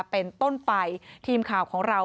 เป็นต้นไปทีมข่าวของเรา